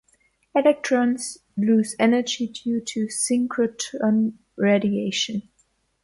Electrons lose energy due to synchrotron radiation.